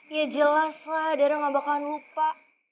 ya jelas lah dara gak bakalan lupa